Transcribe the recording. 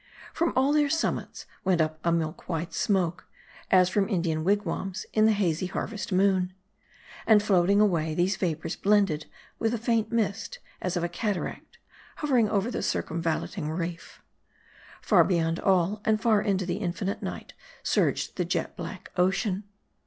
From all their summits, went up a milk white smoke, as from Indian wigwams in the hazy harvest moon. And floating away, these vapors blended with the faint mist, as of a cataract, hovering over the circumvallating reef. Far beyond all, and far into the infinite night, surged the jet black ocean.